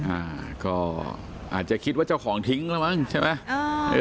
อ่าก็อาจจะคิดว่าเจ้าของทิ้งแล้วมั้งใช่ไหม